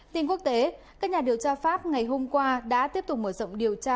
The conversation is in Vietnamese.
tin quốc tế các nhà điều tra pháp ngày hôm qua đã tiếp tục mở rộng điều tra